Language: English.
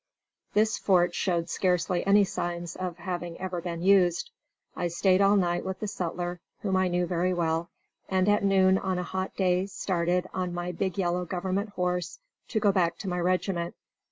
This fort showed scarcely any signs of having ever been used. I stayed all night with the sutler, whom I knew very well, and at noon on a hot day started, on my big yellow government horse, to go back to my regiment.